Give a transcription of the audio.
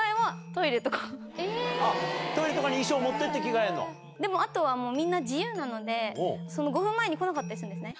トイレとかに衣装持ってって、でもあとは、みんな自由なので、５分前に来なかったりするんですね。